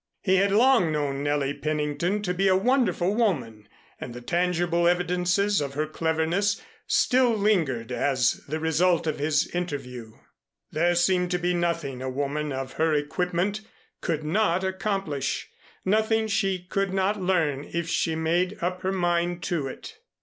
He had long known Nellie Pennington to be a wonderful woman and the tangible evidences of her cleverness still lingered as the result of his interview. There seemed to be nothing a woman of her equipment could not accomplish, nothing she could not learn if she made up her mind to it.